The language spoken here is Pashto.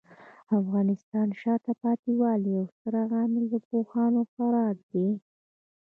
د افغانستان د شاته پاتې والي یو ستر عامل د پوهانو فرار دی.